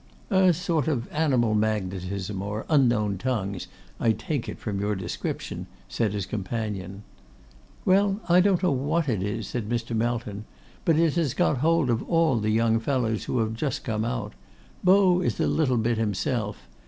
'A sort of animal magnetism, or unknown tongues, I take it from your description,' said his companion. 'Well, I don't know what it is,' said Mr. Melton; 'but it has got hold of all the young fellows who have just come out. Beau is a little bit himself.